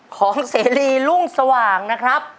เสรีรุ่งสว่างนะครับ